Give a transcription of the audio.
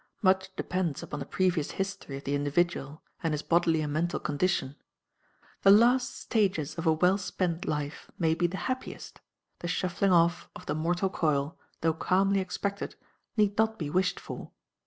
Much depends upon the previous history of the individual, and his bodily and mental condition. The last stages of a well spent life may be the happiest, the shuffling off of the mortal coil, though calmly expected, need not be wished for.